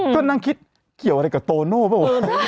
ก็นั่งคิดเกี่ยวอะไรกับโตโน่เปล่าวะ